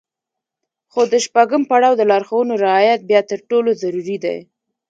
خو د شپږم پړاو د لارښوونو رعايت بيا تر ټولو ضروري دی.